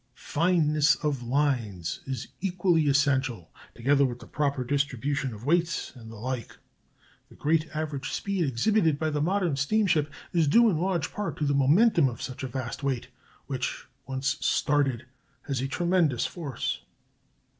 Fineness of lines is equally essential, together with the proper distribution of weights, and the like. The great average speed exhibited by the modern steamship is due in large part to the momentum of such a vast weight, which, once started, has a tremendous force.